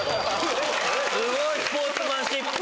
すごいスポーツマンシップ。